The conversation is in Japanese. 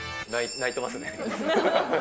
泣いてますね。